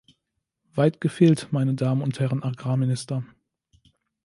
Weit gefehlt, meine Damen und Herren Agrarminister!